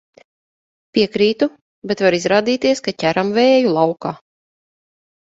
Piekrītu, bet var izrādīties, ka ķeram vēju laukā.